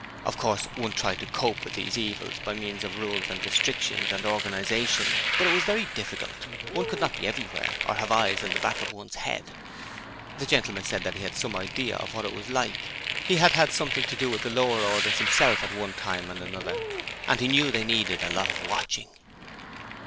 Of course one tried to cope with these evils by means of rules and restrictions and organization, but it was very difficult one could not be everywhere or have eyes at the back of one's head. The gentleman said that he had some idea of what it was like: he had had something to do with the lower orders himself at one time and another, and he knew they needed a lot of watching.